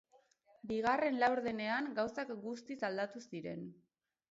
Bigarren laurdenean gauzak guztiz aladtu ziren.